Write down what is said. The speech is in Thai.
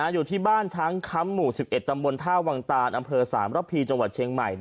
อยู่ที่บ้านช้างค้ำหมู่๑๑ตำบลท่าวังตานอำเภอสามระพีจังหวัดเชียงใหม่